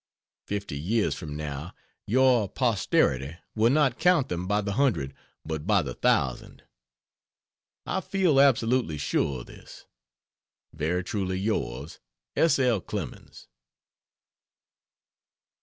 Fifty years from now, your posterity will not count them by the hundred, but by the thousand. I feel absolutely sure of this. Very truly yours, S. L. CLEMENS.